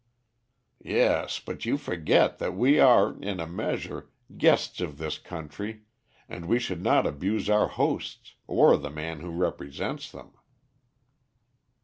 "Yes, but you forget that we are, in a measure, guests of this country, and we should not abuse our hosts, or the man who represents them."